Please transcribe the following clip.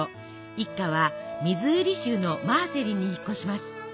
一家はミズーリ州のマーセリンに引っ越します。